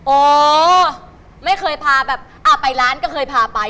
โอ้ไม่เคยพาแบบไปร้านก็เคยพาไป